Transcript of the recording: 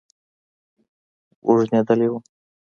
بوږنېدلى وم.